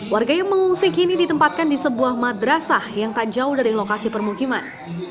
warga yang mengungsi kini ditempatkan di sebuah madrasah yang tak jauh dari lokasi permukiman